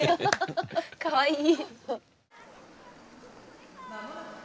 かわいい。